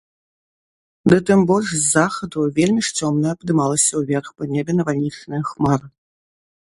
Ды тым больш з захаду вельмі ж цёмная падымалася ўверх па небе навальнічная хмара.